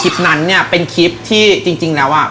คลิปนั้นเนี่ยเป็นคลิปที่จริงแล้วอ่ะ